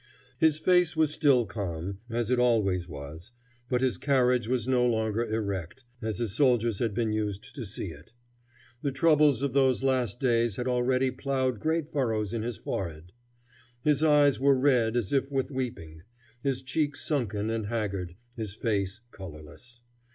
His face was still calm, as it always was, but his carriage was no longer erect, as his soldiers had been used to see it. The troubles of those last days had already plowed great furrows in his forehead. His eyes were red as if with weeping; his cheeks sunken and haggard; his face colorless.